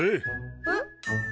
えっ？